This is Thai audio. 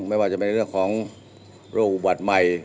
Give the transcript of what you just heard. ไม่ว่าจะเป็นเรื่องของโรคอุบัติใหม่